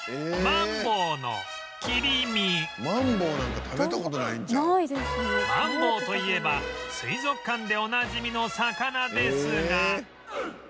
マンボウといえば水族館でおなじみの魚ですが